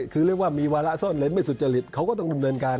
ครับก็คงไม่มีอะไรมากครับก็ฝากความคิดถึงทุกคนนะครับ